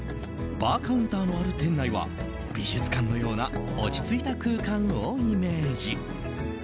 バーカウンターのある店内は美術館のような落ち着いた空間をイメージ。